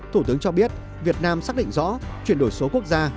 thủ tướng cho biết việt nam xác định rõ chuyển đổi số quốc gia